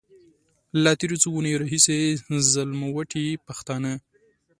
له تېرو څو اونيو راهيسې ځلموټي پښتانه.